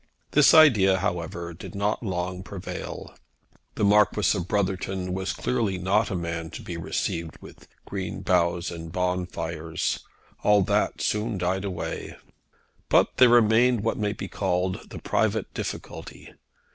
This idea, however, did not prevail long. The Marquis of Brotherton was clearly not a man to be received with green boughs and bonfires. All that soon died away. But there remained what may be called the private difficulty.